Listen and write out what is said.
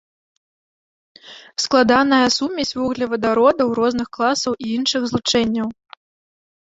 Складаная сумесь вуглевадародаў розных класаў і іншых злучэнняў.